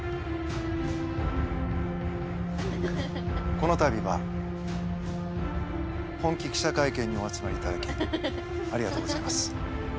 このたびは本気記者会見にお集まりいただきありがとうございます。